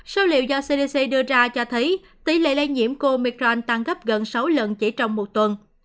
số liệu do cdc đưa ra cho thấy tỷ lệ lây nhiễm comicron tăng gấp gần sáu lần chỉ trong một tuần